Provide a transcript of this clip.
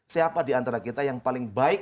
siapa di antara kita yang paling baik